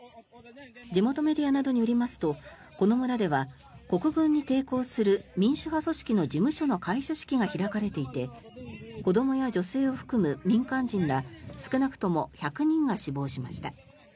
地元メディアなどによりますとこの村では国軍に抵抗する民主派組織の事務所の開所式が開かれていて子どもや女性を含む民間人ら少なくとも１００人が死亡しました。